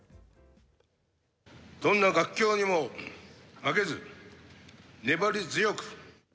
どんな逆境にも負けず、粘り強く。